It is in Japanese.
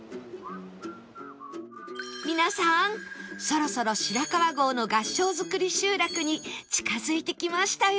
皆さんそろそろ白川郷の合掌造り集落に近づいてきましたよ